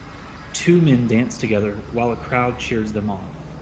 Two men dance together while a crowd cheers them on